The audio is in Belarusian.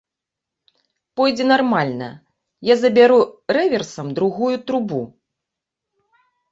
Пойдзе нармальна, я забяру рэверсам другую трубу.